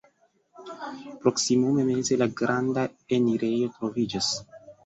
Proksimume meze la granda enirejo troviĝas.